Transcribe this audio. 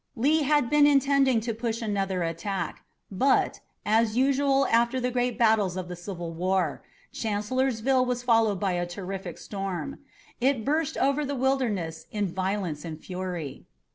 Lee had been intending to push another attack, but, as usual after the great battles of the Civil War, Chancellorsville was followed by a terrific storm. It burst over the Wilderness in violence and fury.